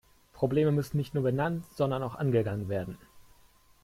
Probleme müssen nicht nur benannt, sondern auch angegangen werden.